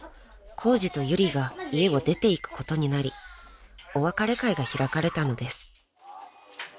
コウジとユリが家を出ていくことになりお別れ会が開かれたのです］